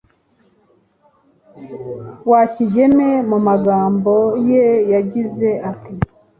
wa Kigeme.Mu magambo ye yagize ati:“